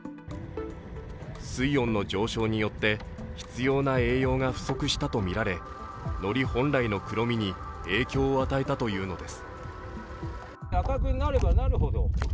水温の上昇によって必要な栄養が不足したとみられのり本来の黒みに影響を与えたというのです。